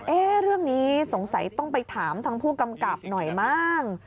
เรื่องนี้สงสัยต้องไปถามทางผู้กำกับหน่อยมั้ง